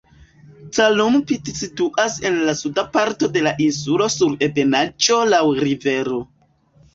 Calumpit situas en la suda parto de la insulo sur ebenaĵo laŭ rivero.